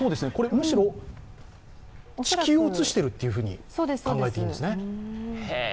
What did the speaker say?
むしろ、地球を映していると考えていいんですね。